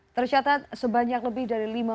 tercatat sebanyak lebih dari lima puluh